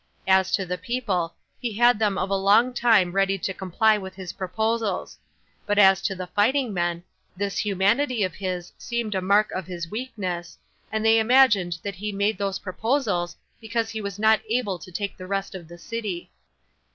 As to the people, he had them of a long time ready to comply with his proposals; but as to the fighting men, this humanity of his seemed a mark of his weakness, and they imagined that he made these proposals because he was not able to take the rest of the city.